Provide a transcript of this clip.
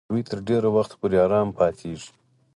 دوی تر ډېر وخت پورې آرام پاتېږي.